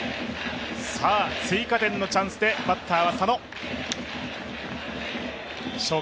追加点のチャンスでバッターは佐野。